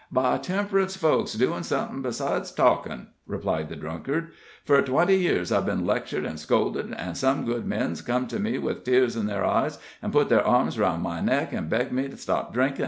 "By temp'rance folks doin' somethin' beside talkin'," replied the drunkard. "For twenty year I've been lectured and scolded, an' some good men's come to me with tears in their eyes, and put their arms 'roun' my neck, an' begged me to stop drinkin'.